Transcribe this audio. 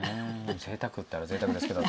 ぜいたくったらぜいたくですけど。